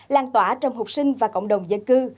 lan tỏa trong học sinh và cộng đồng dân cư